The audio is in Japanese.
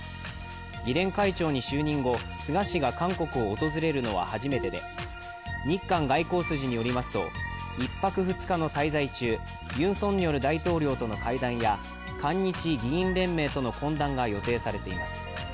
議連会長に就任後、菅氏が韓国を訪れるのは初めてで日韓外交筋によりますと１泊２日の滞在中ユン・ソンニョル大統領との会談や韓日議員連盟との懇談が予定されています。